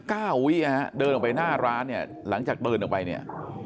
เก้าวินะฮะเดินออกไปหน้าร้านเนี่ยหลังจากเดินออกไปเนี่ย